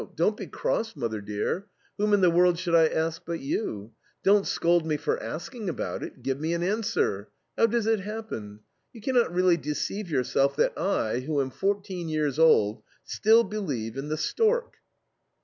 Don't be cross, Mother, dear! Whom in the world should I ask but you? Don't scold me for asking about it. Give me an answer. How does it happen? You cannot really deceive yourself that I, who am fourteen years old, still believe in the stork."